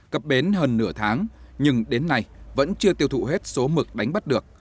cập bến hơn nửa tháng nhưng đến nay vẫn chưa tiêu thụ hết số mực đánh bắt được